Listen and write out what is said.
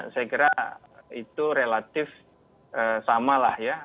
saya kira itu relatif sama lah ya